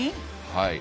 はい。